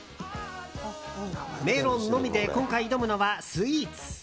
メロンのみで今回挑むのはスイーツ。